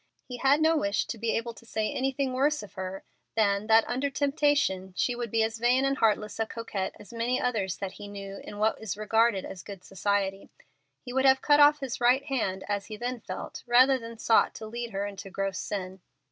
He had no wish to be able to say anything worse of her than that under temptation she would be as vain and heartless a coquette as many others that he knew in what is regarded as good society. He would have cut off his right hand, as he then felt, rather than have sought to lead her into gross sin.